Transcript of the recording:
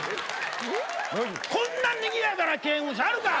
こんなにぎやかな刑務所あるか！